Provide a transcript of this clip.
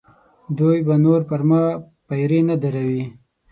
دوی به نور پر ما پیرې نه دروي.